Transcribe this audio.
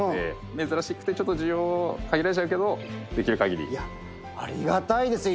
「珍しくてちょっと需要限られちゃうけどできる限り」「ありがたいです